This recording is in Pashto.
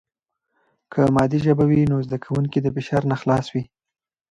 که مادي ژبه وي، نو زده کوونکي د فشار نه خلاص وي.